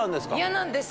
嫌なんです。